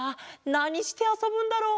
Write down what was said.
なにしてあそぶんだろう？